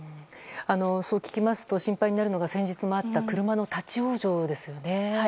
そう聞きますと心配になるのが先日もあった車の立ち往生ですよね。